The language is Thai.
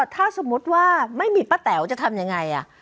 ถ้าสมมุติว่าไม่มีป้าแต๋วจะทำยังไง